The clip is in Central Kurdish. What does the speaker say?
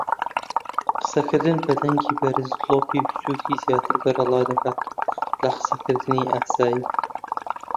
قسەکردن بە دەنگی بەرز دڵۆپی بچووکی زیاتر بەرەڵادەکات لە قسەکردنی ئاسایی.